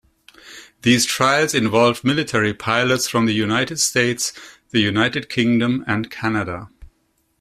These trials involved military pilots from the United States, the United Kingdom and Canada.